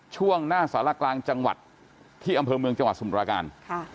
ช่วงหน้าสารกลางจังหวัดที่อำเภอเมืองจังหวัดสมุทราการ